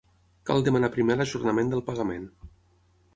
Cal demanar primer l'ajornament del pagament.